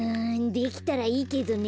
できたらいいけどね。